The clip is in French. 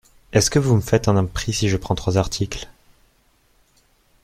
Est-ce que vous me faites un prix si je prends trois articles?